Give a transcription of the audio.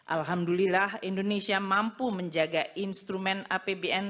alhamdulillah indonesia mampu menjaga instrumen apbn